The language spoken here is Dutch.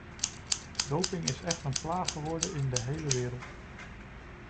Doping is echter een plaag geworden in de hele wereld.